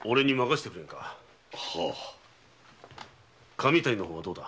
神谷の方はどうだ？